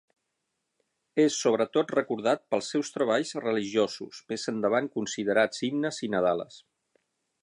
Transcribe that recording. És sobretot recordat pels seus treballs religiosos, més endavant considerats himnes i nadales.